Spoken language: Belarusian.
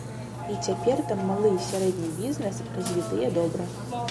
І цяпер там малы і сярэдні бізнэс развітыя добра.